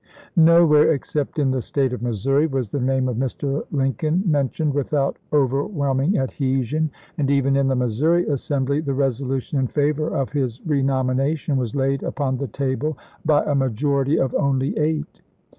Nowhere except in the State of Missouri was the name of Mr. Lincoln mentioned without over whelming adhesion, and even in the Missouri Assembly the resolution in favor of his renomina tion was laid upon the table by a majority of only eight.